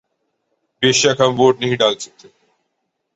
بے شک ہم ووٹ نہیں ڈال سکتے